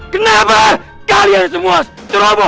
kenapa kalian semua ceroboh